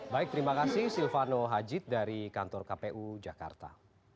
baik terima kasih silvano hajid dari kantor kpu jakarta